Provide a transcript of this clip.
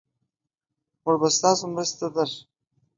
مونږ به ستاسو مرستې ته درشو.